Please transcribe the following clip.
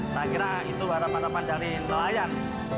saya kira itu adalah manfaat dari nelayan